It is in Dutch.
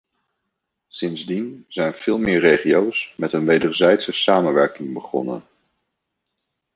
Sindsdien zijn veel meer regio's met een wederzijdse samenwerking begonnen.